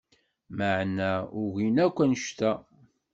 Maɛna ugin akk anect-a…